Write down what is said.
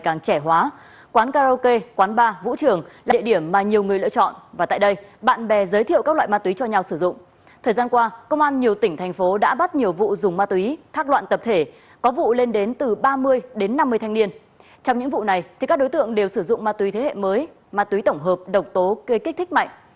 các đối tượng đều sử dụng ma túy thế hệ mới ma túy tổng hợp độc tố gây kích thích mạnh